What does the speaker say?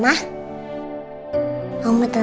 mau menelepon ke papa dong